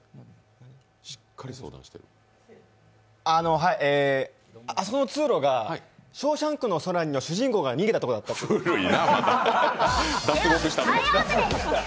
あそこの通路が「ショーシャンクの空に」の主人公が逃げた所だった。